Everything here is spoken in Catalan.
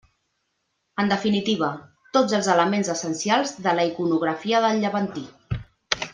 En definitiva, tots els elements essencials de la iconografia del Llevantí.